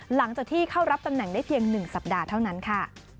หลังจากที่เข้ารับตำแหน่งได้เพียง๑สัปดาห์เท่านั้นค่ะ